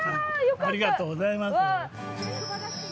ありがとうございます。